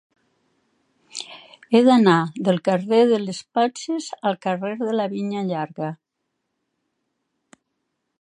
He d'anar del carrer de les Panses al carrer de la Vinya Llarga.